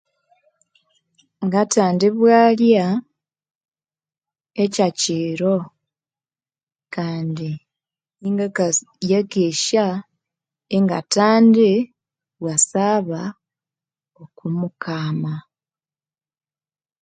Ngatsuka bwalya ekyakiro kandi ngabyangakesya ingatsuka bwasaba